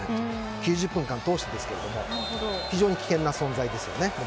９０分間通してですが非常に危険な存在ですね